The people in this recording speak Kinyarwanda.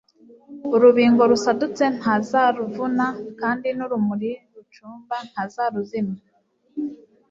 Urubingo rusadutse ntazaruvuna kandi n'urumuri rucumba ntazaruzimya,